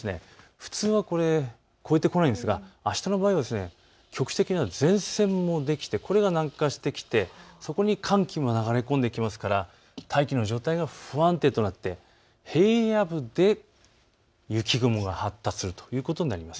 普通は下りてこないんですがあしたの場合は局地的に前線ができて、これが南下してそこに寒気も流れ込んできますから大気の状態が不安定となって平野部で雪雲が発達するということになります。